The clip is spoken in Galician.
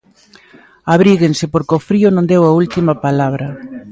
Abríguense porque o frío non deu a última palabra.